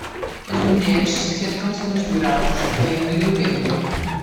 As mulheres sentam-se nos degraus, lendo e bebendo.